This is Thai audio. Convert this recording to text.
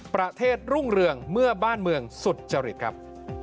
ประเทศรุ่งเรืองเมื่อบ้านเมืองสุจริตครับ